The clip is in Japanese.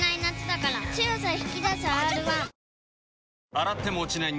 洗っても落ちない